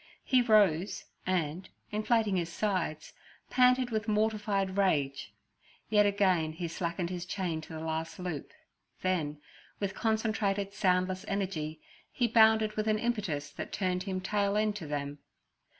He rose, and, inflating his sides, panted with mortified rage. Yet again he slackened his chain to the last loop, then, with concentrated, soundless energy, he bounded with an impetus that turned him tail end to them.